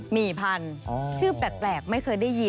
หมี่พันธุ์ชื่อแปลกไม่เคยได้ยิน